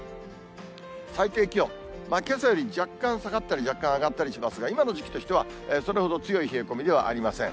最低気温、けさより若干下がったり、若干上がったりしますが、今の時期としては、それほど強い冷え込みではありません。